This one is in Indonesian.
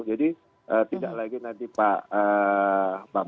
jadi tidak lagi nanti pak bang